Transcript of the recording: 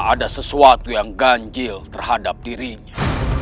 ada sesuatu yang ganjil terhadap dirinya